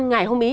ngày hôm ý